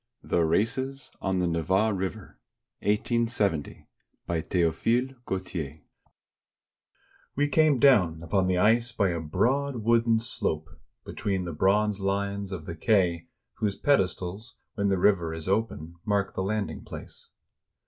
THE RACES ON THE NEVA RIVERA BY THEOPHILE GAUTIER We came down upon the ice by a broad wooden slope, between the bronze lions of the quay, whose pedestals, when the river is open, mark the landing place.